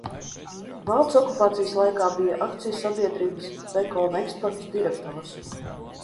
"Vācu okupācijas laikā bija akciju sabiedrības "Bekona eksports" direktors."